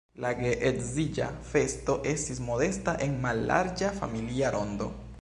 La geedziĝa festo estis modesta en mallarĝa familia rondo.